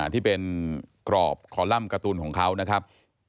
ที่เป็นกรอบคอลัมป์การ์ตูนของเขานะครับ